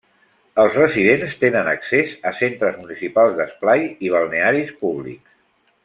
Els residents tenen accés a centres municipals d'esplai i balnearis públics.